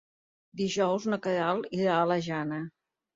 Dijous na Queralt irà a la Jana.